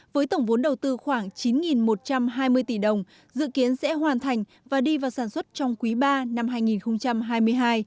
với tổng vốn đầu tư khoảng chín một trăm hai mươi tỷ đồng dự kiến sẽ hoàn thành và đi vào sản xuất trong quý ba năm hai nghìn hai mươi hai